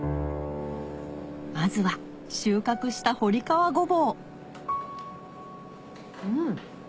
まずは収穫した堀川ゴボウうん！